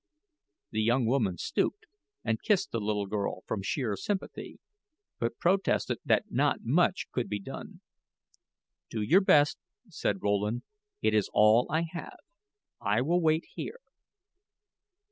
The young woman stooped and kissed the little girl from sheer sympathy, but protested that not much could be done. "Do your best," said Rowland; "it is all I have. I will wait here."